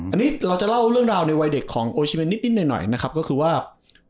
อันนี้เราจะเล่าเรื่องราวในวัยเด็กของโอชิเมนนิดหน่อยนะครับก็คือว่า